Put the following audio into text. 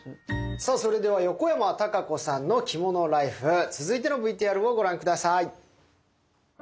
さあそれでは横山タカ子さんの着物ライフ続いてのＶＴＲをご覧下さい。